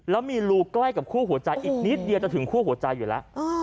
แล้วมีรูใกล้กับคู่หัวใจอีกนิดเดียวจะถึงคั่วหัวใจอยู่แล้ว